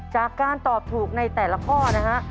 จากการตอบถูกในแต่ละข้อนะฮะ